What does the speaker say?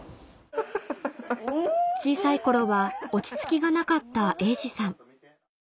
小さい頃は落ち着きがなかった瑛士さん